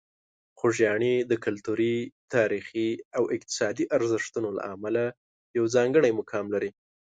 خوږیاڼي د کلتوري، تاریخي او اقتصادي ارزښتونو له امله یو ځانګړی مقام لري.